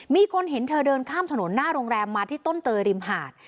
มีคนเห็นเธอเดินข้ามถนนหน้าโรงแรมมาที่ต้นเตยริมหาด